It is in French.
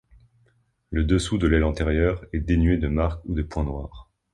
Le dessous de l'aile antérieure est dénué de marque ou de point noir.